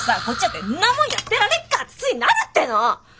こっちだってんなもんやってられっか！ってついなるっての！